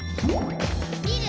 「みる！